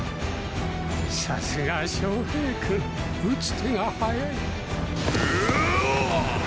さすが昌平君打つ手が早いウォアア！！